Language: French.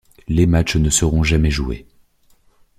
Les matches ne seront jamais joués.